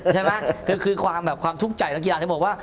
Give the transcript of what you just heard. ใช่มะคือความหุ้มใจนักกีฬาจะบอกว่า